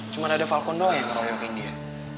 cuma ada falcon doang yang ngeroyokin dia